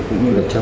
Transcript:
cũng như là